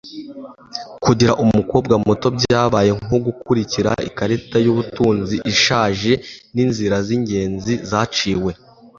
kugira umukobwa muto byabaye nko gukurikira ikarita y'ubutunzi ishaje n'inzira z'ingenzi zaciwe